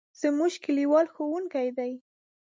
زموږ کلیوال ښوونکی دی.